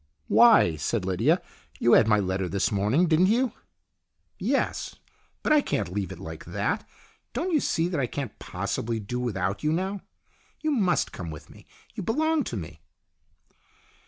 " Why ?" said Lydia. " You had my letter this morning, didn't you ?" "Yes. But I can't leave it like that. Don't you see that I can't possibly do without you now ? You must come with me. You belong to me."